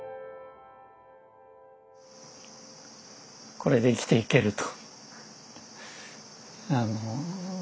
これで生きていけると。